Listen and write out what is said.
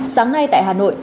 sáng nay tại hà nội